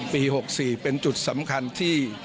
ปี๖๔เป็นจุดสำคัญที่